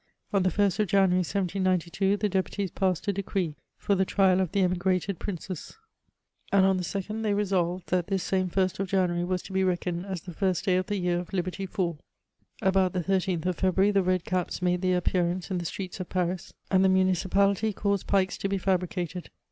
On the 1st of January, 1792, the deputies passed a decree for the trial of the emigrated priuces; and on the 2nd they resolved, that this same 1st of January was to be reckoned as the first day of the year of Liberty IV. About the 13th of February, the red caps made their ap pearance in the streets of Paris, and the municipality caused 2b2 318 MEMOntS OF pikes to be fabricated.